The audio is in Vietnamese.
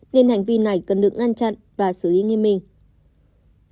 nên hành vi này cần được ngăn chặn và xử lý nghiêm minh